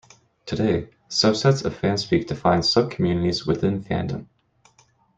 Today, subsets of fanspeak define subcommunities within fandom.